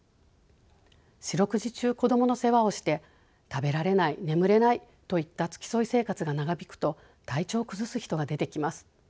四六時中子どもの世話をして食べられない眠れないといった付き添い生活が長引くと体調を崩す人が出てきます。